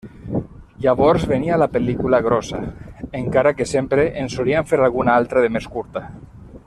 Llavors venia la pel·lícula grossa, encara que sempre en solien fer alguna altra de més curta.